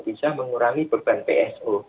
bisa mengurangi beban psu